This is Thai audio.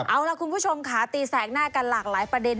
เอาล่ะคุณผู้ชมค่ะตีแสกหน้ากันหลากหลายประเด็น